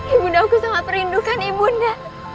ibunda aku sangat merindukan ibunda